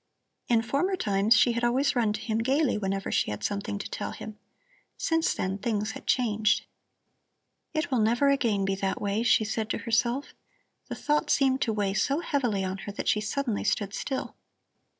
In former times she had always run to him gaily, whenever she had something to tell him. Since then things had changed. "It will never again be that way," she said to herself. The thought seemed to weigh so heavily on her that she suddenly stood still.